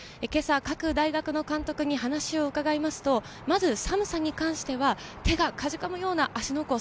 今朝、各大学の監督に話をうかがいますと、まず寒さに関しては手がかじかむような芦ノ